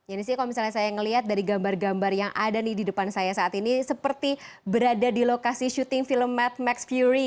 ini sih kalau misalnya saya melihat dari gambar gambar yang ada nih di depan saya saat ini seperti berada di lokasi syuting film mad max fury